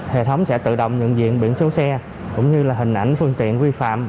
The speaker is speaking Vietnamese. hệ thống sẽ tự động nhận diện biển số xe cũng như là hình ảnh phương tiện vi phạm